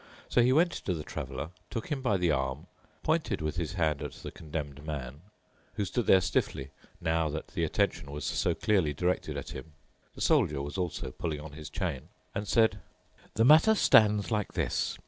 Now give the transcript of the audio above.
So he went to the Traveler, took him by the arm, pointed with his hand at the Condemned Man, who stood there stiffly now that the attention was so clearly directed at him—the Soldier was also pulling on his chain—and said, "The matter stands like this.